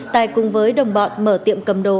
tài cùng với đồng bọn mở tiệm cầm đồ